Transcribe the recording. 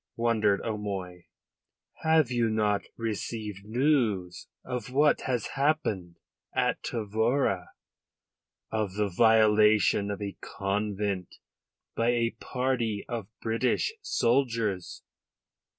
wondered O'Moy. "Have you not received news of what has happened at Tavora? Of the violation of a convent by a party of British soldiers?